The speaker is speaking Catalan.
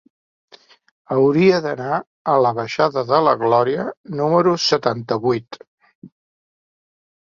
Hauria d'anar a la baixada de la Glòria número setanta-vuit.